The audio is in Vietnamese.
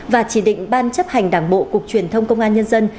và chỉ định ban chấp hành đảng bộ cục truyền thông công an nhân dân